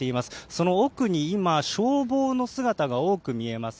その奥に今消防の姿が多く見えます。